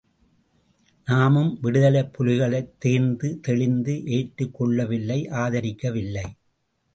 நாமும் விடுதலைப் புலிகளைத் தேர்ந்து தெளிந்து ஏற்றுக் கொள்ளவில்லை ஆதரிக்கவில்லை.